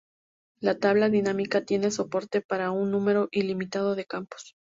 La tabla dinámica tiene soporte para un número ilimitado de campos.